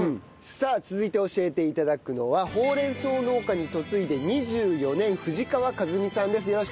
さあ続いて教えて頂くのはほうれん草農家に嫁いで２４年藤川和美さんです。